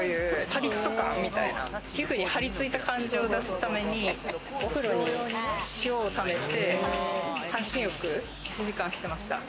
パリっと感みたいな、皮膚に張り付いた感じを出すために、お風呂に塩をためて、半身浴１時間してました。